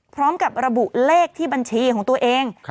พร้อมกับระบุเลขที่บัญชีของตัวเอง